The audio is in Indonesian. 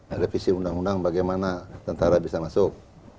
ada visi undang undang bagaimana tentara bisa masuk